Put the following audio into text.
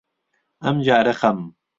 ئەمجارە خەم